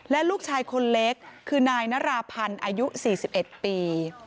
และลูกชายคนเล็กคือนายนราพันธ์อายุ๔๑ปี